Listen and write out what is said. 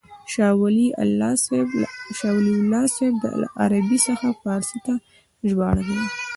شاه ولي الله صاحب له عربي څخه فارسي ته ژباړلې وه.